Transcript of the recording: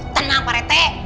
tenang pak rt